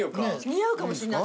似合うかもしんない。